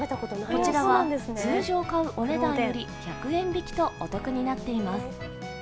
こちらは通常買うお値段より１００円引きとお得になっています。